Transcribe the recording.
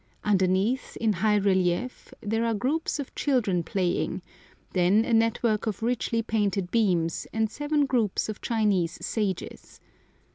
Underneath, in high relief, there are groups of children playing, then a network of richly painted beams, and seven groups of Chinese sages.